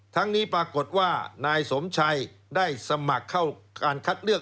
ทั้งนี้ปรากฏว่านายสมชัยได้สมัครเข้าการคัดเลือก